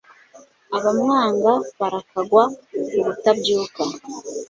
abamwanga barakagwa ubutabyuka